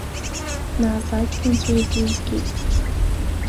Нас аҷкәынцәа езызгет.